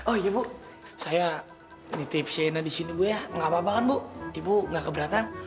oh iya bu saya nitip shaina di sini ya ga apa apa kan bu ibu ga keberatan